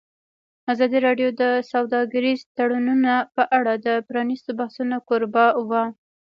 ازادي راډیو د سوداګریز تړونونه په اړه د پرانیستو بحثونو کوربه وه.